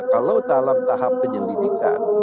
kalau dalam tahap penyidikan